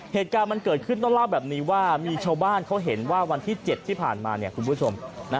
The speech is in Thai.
เหตุการณ์มันเกิดขึ้นต้องเล่าแบบนี้ว่ามีชาวบ้านเขาเห็นว่าวันที่๗ที่ผ่านมาคุณผู้ชม